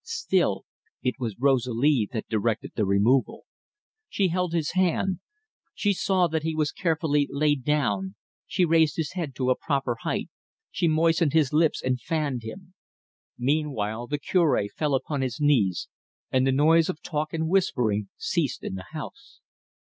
Still it was Rosalie that directed the removal. She held his hand; she saw that he was carefully laid down; she raised his head to a proper height; she moistened his lips and fanned him. Meanwhile the Cure fell upon his knees, and the noise of talk and whispering ceased in the house.